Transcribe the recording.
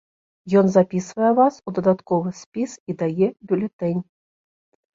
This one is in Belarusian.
Ён запісвае вас у дадатковы спіс і дае бюлетэнь.